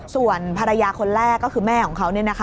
ส่วนภรรยาคนแรกก็คือแม่ของเขา